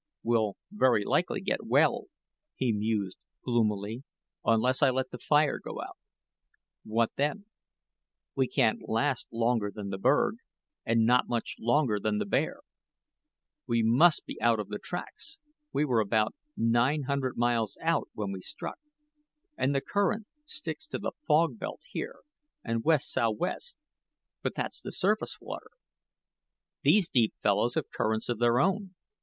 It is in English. "We'll very likely get well," he mused, gloomily, "unless I let the fire go out. What then? We can't last longer than the berg, and not much longer than the bear. We must be out of the tracks we were about nine hundred miles out when we struck; and the current sticks to the fog belt here about west sou'west but that's the surface water. These deep fellows have currents of their own.